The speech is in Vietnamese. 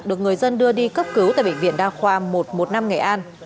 được người dân đưa đi cấp cứu tại bệnh viện đa khoa một trăm một mươi năm nghệ an